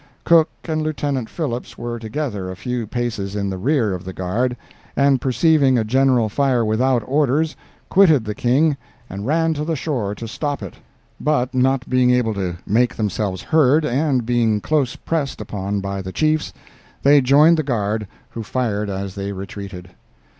Cook and Lieutenant Phillips were together a few paces in the rear of the guard, and perceiving a general fire without orders, quitted the King and ran to the shore to stop it—but not being able to make themselves heard, and being close pressed upon by the chiefs, they joined the guard, who fired as they retreated.